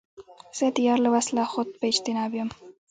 زه د یار له وصله خود په اجتناب یم